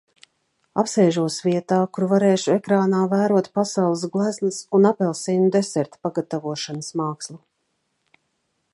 Apsēžos vietā, kur varēšu ekrānā vērot pasaules gleznas un apelsīnu deserta pagatavošanas mākslu.